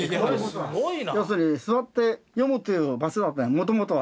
要するに座って読むっていう場所だったのもともとは。